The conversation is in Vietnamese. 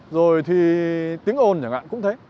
rồi thì tiếng ôn chẳng hạn cũng thế